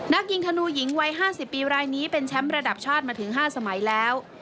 ยิงธนูหญิงวัย๕๐ปีรายนี้เป็นแชมป์ระดับชาติมาถึง๕สมัยแล้ว